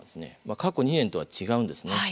過去２年とは違うんですね。